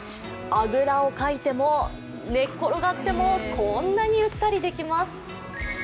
あくらをかいても、寝っ転がってもこんなにゆったりできます。